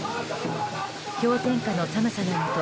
氷点下の寒さのもと